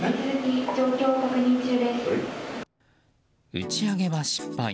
打ち上げは失敗。